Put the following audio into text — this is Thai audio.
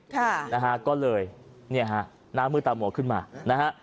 ค่ะนะฮะก็เลยเนี่ยฮะน้ำมือตามัวขึ้นมานะฮะ